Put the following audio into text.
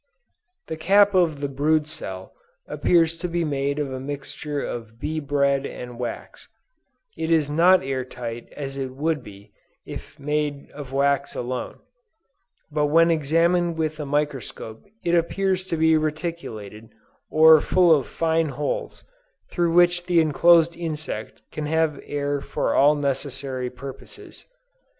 The cap of the brood cell appears to be made of a mixture of bee bread and wax; it is not air tight as it would be if made of wax alone; but when examined with a microscope it appears to be reticulated, or full of fine holes through which the enclosed insect can have air for all necessary purposes.